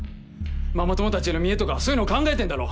ママ友たちへの見えとかそういうのを考えてんだろ。